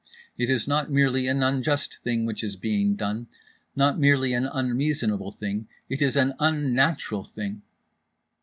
It is not merely an unjust thing which is being done, not merely an unreasonable thing, it is an unnatural thing…."